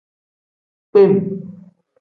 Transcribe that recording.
Kpem.